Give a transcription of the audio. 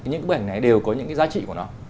những bức ảnh này đều có những cái giá trị của nó